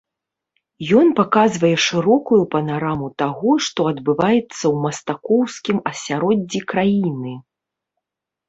Ён паказвае шырокую панараму таго, што адбываецца ў мастакоўскім асяроддзі краіны.